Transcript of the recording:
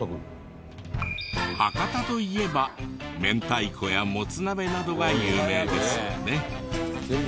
博多といえば明太子やもつ鍋などが有名ですよね。